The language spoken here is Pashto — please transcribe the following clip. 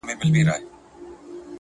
یوه قلا ده ورته یادي افسانې دي ډیري!